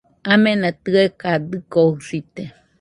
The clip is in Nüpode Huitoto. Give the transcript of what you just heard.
Amena tɨeka dɨkoɨsite